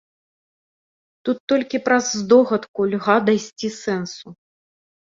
Тут толькі праз здогадку льга дайсці сэнсу.